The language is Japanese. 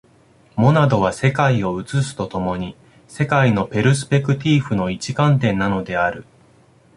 モナドは世界を映すと共に、世界のペルスペクティーフの一観点なのである。